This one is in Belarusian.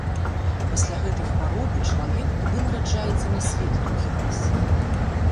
Пасля гэтай хваробы чалавек нібы нараджаецца на свет другі раз.